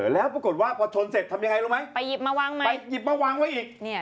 แล้วปรากฏว่าพอชนเสร็จทำยังไงไปหยิบมาวางให้อีก